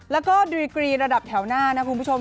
แล้วก็ดีกรีระดับแถวหน้านะคุณผู้ชม